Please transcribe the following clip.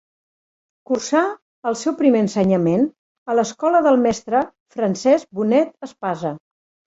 Cursà el seu primer ensenyament a l'escola del mestre Francesc Bonet Espasa.